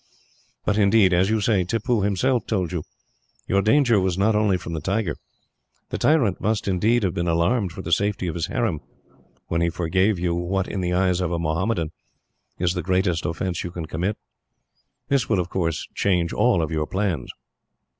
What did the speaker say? "But indeed, as you say Tippoo himself told you, your danger was not only from the tiger. The tyrant must, indeed, have been alarmed for the safety of his harem, when he forgave you what, in the eyes of a Mohammedan, is the greatest offence you can commit. "This will, of course, change all of your plans."